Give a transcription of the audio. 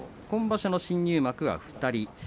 今場所の新入幕は２人。